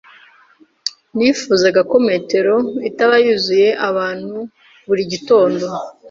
Nifuzaga ko metro itaba yuzuye abantu buri gitondo.